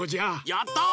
やった！